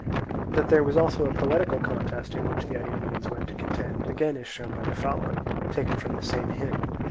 That there was also a poetical contest in which the Ionians went to contend, again is shown by the following, taken from the same hymn.